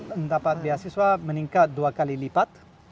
mendapat beasiswa meningkat dua kali lipat